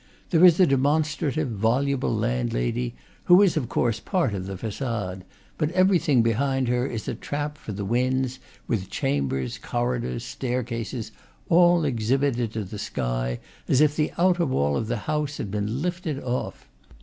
There is a demonstrative, voluble landlady, who is of course part of the facade; but everything behind her is a trap for the winds, with chambers, corridors, staircases, all exhibited to the sky, as if the outer wall of the house had been lifted off.